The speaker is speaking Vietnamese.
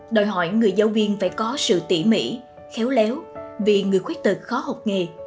đòi hỏi người giáo viên phải có sự tỉ mỉ khéo léo vì người khuyết tật khó học nghề